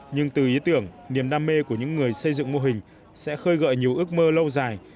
nhưng từ ý tưởng niềm đam mê của những người xây dựng mô hình sẽ khơi gợi nhiều ước mơ lâu dài